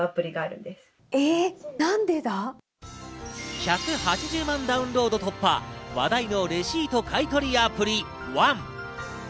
１８０万ダウンロード突破、話題のレシート買取アプリ、ＯＮＥ。